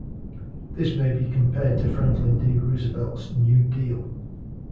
This may be compared to Franklin D. Roosevelt's New Deal.